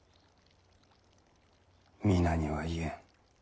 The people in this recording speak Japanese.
皆には言えん。